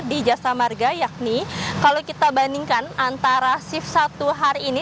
di jasa marga yakni kalau kita bandingkan antara shift satu hari ini